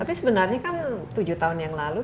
tapi sebenarnya kan tujuh tahun yang lalu